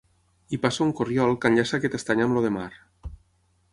Hi passa un corriol que enllaça aquest estany amb el de Mar.